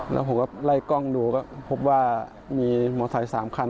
แล้วผมก็ไล่กล้องดูก็พบว่ามีมอเซ๓คัน